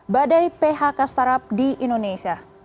badai phk startup di indonesia